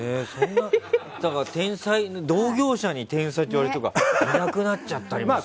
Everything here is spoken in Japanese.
同業者に天才って言われた人がいなくなっちゃったりするんだ。